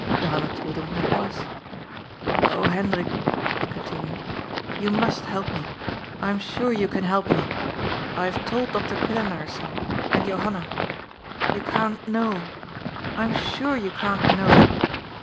— Johanna told him that it was —^*' Oh, Hendrik," he continued, " you must help me. I am sure you can help me. I have told Dr. Pille naar so and Johanna. You can't know. I am sure you can't know.